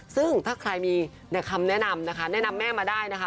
ซึ่งถ้าใครมีคำแนะนำนะคะแนะนำแม่มาได้นะคะ